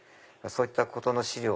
そういったことの資料